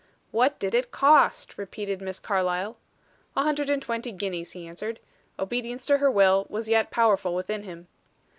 "What did it cost?" repeated Miss Carlyle. "A hundred and twenty guineas," he answered. Obedience to her will was yet powerful within him.